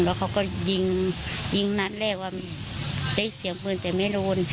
แล้วเขาก็ยิงนั้นเรียกว่าทิ้งเสี่ยงพื้นแต่ไม่รวม